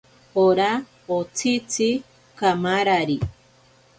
Ora otsitzi kamarari.